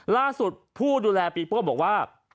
ล่าสุดผู้ดูแลบีโป้บอกว่า